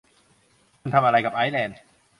คุณทำอะไรกับไอซ์แลนด์ ?